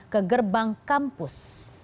ke gerbang kampus